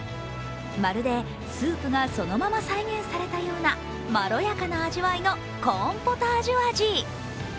まるで、スープがそのまま再現されたようなまろやかな味わいのコーンポタージュ味。